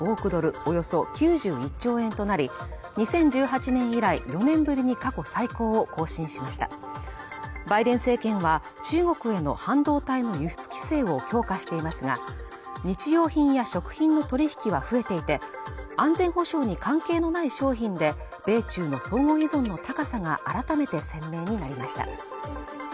およそ９１兆円となり２０１８年以来４年ぶりに過去最高を更新しましたバイデン政権は中国への半導体の輸出規制を強化していますが日用品や食品の取引は増えていて安全保障に関係のない商品で米中の相互依存の高さが改めて鮮明になりました